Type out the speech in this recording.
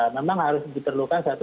memang harus diperlukan satu